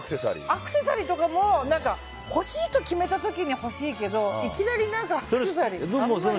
アクセサリーとかも欲しいと決めた時に欲しいけどいきなり何かアクセサリーってあんまり。